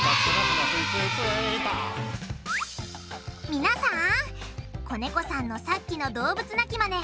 みなさん小猫さんのさっきの動物鳴きマネ